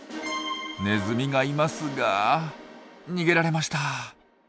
ネズミがいますが逃げられました。